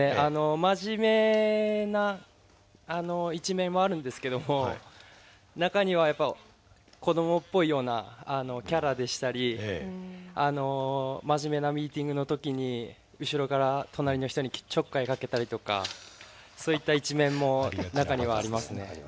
真面目な一面もあるんですけども中にはやっぱり子どもっぽいようなキャラでしたり真面目なミーティングの時に後ろから隣の人にちょっかいかけたりとかそういった一面も中にはありますね。